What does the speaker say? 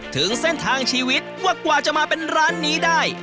ถึงเส้นทางชีวิตว่ากว่าจะมาเป็นร้านนี้ได้